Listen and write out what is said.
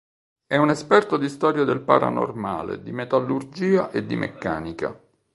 È un esperto di storia del paranormale, di metallurgia e di meccanica.